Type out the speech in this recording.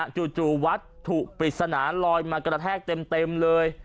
จู่วัดถูกปิดสนานลอยมากระแทกเต็มเลย